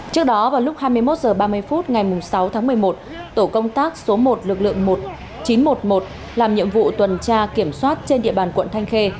trước đó vào lúc hai mươi một h ba mươi phút ngày sáu tháng một mươi một tổ công tác số một lực lượng chín trăm một mươi một làm nhiệm vụ tuần tra kiểm soát trên địa bàn quận thanh khê